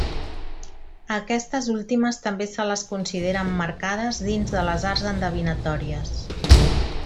A aquestes últimes també se les considera emmarcades dins de les arts endevinatòries.